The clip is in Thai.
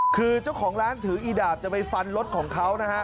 คือเจ้าของร้านถืออีดาบจะไปฟันรถของเขานะฮะ